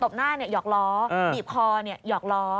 บหน้าหยอกล้อบีบคอหยอกล้อ